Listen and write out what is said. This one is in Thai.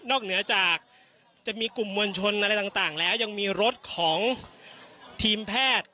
เหนือจากจะมีกลุ่มมวลชนอะไรต่างแล้วยังมีรถของทีมแพทย์